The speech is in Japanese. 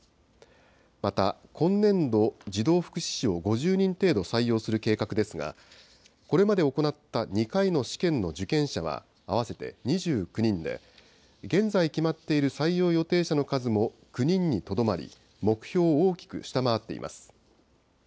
また、今年度、児童福祉司を５０人程度採用する計画ですが、これまで行った２回の試験の受験者は合わせて２９人で、現在決まっている採用予定者の数も９人にとどまり、目標を大きく下回っています。